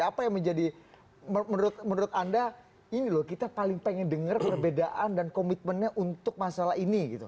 apa yang menjadi menurut anda ini loh kita paling pengen denger perbedaan dan komitmennya untuk masalah ini gitu